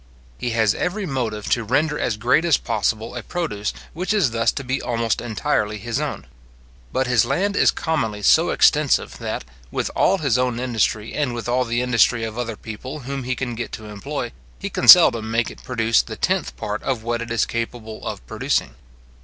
He has every motive to render as great as possible a produce which is thus to be almost entirely his own. But his land is commonly so extensive, that, with all his own industry, and with all the industry of other people whom he can get to employ, he can seldom make it produce the tenth part of what it is capable of producing.